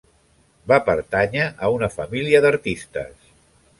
Va pertànyer a una família d'artistes.